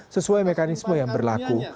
sesuai mekanisme yang berlaku